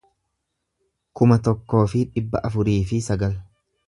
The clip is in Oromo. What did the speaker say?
kuma tokkoo fi dhibba afurii fi sagal